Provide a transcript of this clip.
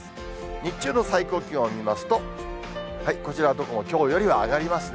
日中の最高気温を見ますと、こちら、特にきょうよりは上がりますね。